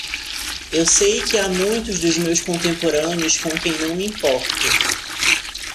Eu sei que há muitos dos meus contemporâneos com quem não me importo.